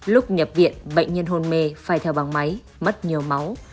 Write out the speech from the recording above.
lúc nhập viện bệnh nhân hôn mê phải theo bằng máy mất nhiều máu